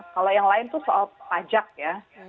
kalau yang lain itu soal pajak ya